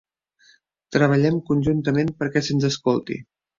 Treballem conjuntament perquè se'ns escolti.